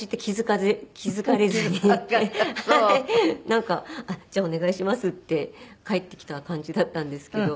なんかじゃあお願いしますって帰ってきた感じだったんですけど。